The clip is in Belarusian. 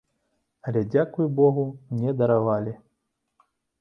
Але, дзякуй богу, мне даравалі.